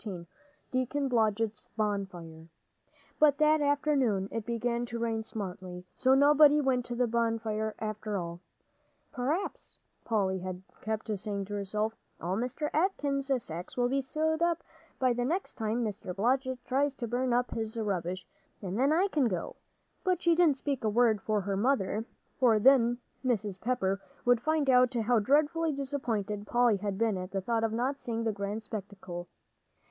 XIV DEACON BLODGETT'S BONFIRE But that afternoon it began to rain smartly, so nobody went to the bonfire after all. "P'r'aps," Polly had kept saying to herself, "all Mr. Atkins' sacks will be sewed up by the next time Mr. Blodgett tries to burn up his rubbish, and then I can go," but she didn't speak a word to her mother, for then Mrs. Pepper would find out how dreadfully disappointed Polly had been at the thought of not seeing the grand spectacle.